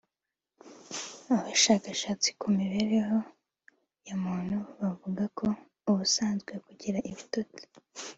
Abashakashatsi ku mibereho ya muntu bavuga ko ubusanzwe kugira ibitotsi